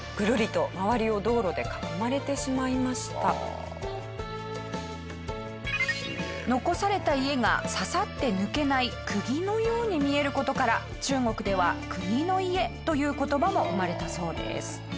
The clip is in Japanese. ぐるりと残された家が刺さって抜けない釘のように見える事から中国では「釘の家」という言葉も生まれたそうです。